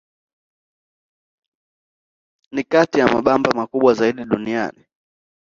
Ni kati ya mabamba makubwa zaidi duniani.